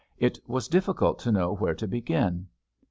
It was difficult to know where to begin.